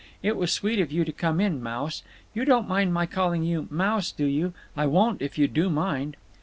It was sweet of you to come in, Mouse…. You don't mind my calling you 'Mouse,' do you? I won't, if you do mind."